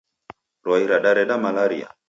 Rwai ridareda malaria